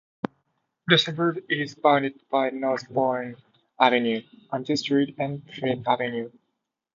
The suburb is bounded by Northbourne Avenue, Antill Street and Philip Avenue.